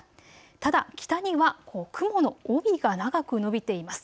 ただ北にはが雲の帯が長く延びています。